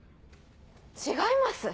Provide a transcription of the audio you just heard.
違います。